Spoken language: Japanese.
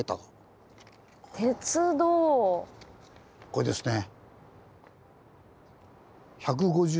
これですね。